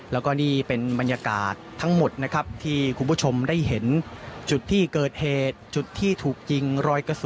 นั่นได้เป็นตัวมากกับคนเพื่อความช่วยผู้สู้ใจสุดชีวิต